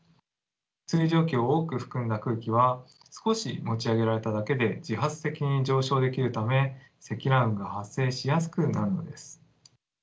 水蒸気を多く含んだ空気は少し持ち上げられただけで自発的に上昇できるため積乱雲が発生しやすくなるのです。